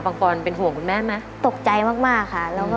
ปังปรณ์เป็นห่วงคุณแม่ไหมตกใจมากค่ะแล้วก็